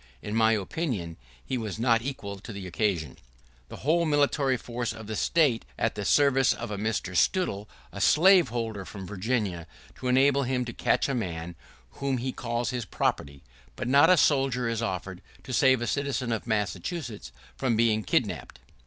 In my opinion, he was not equal to the occasion. [¶9] The whole military force of the State is at the service of a Mr. Suttle, a slaveholder from Virginia, to enable him to catch a man whom he calls his property; but not a soldier is offered to save a citizen of Massachusetts from being kidnapped!